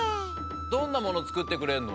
どんなものつくってくれるの？